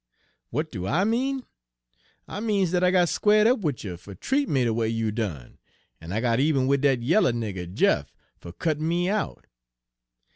" 'W'at do I mean? I means dat I got squared up wid you fer treatin' me de way you done, en I got eben wid dat yaller nigger Jeff fer cuttin' me out.